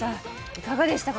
いかがでしたか？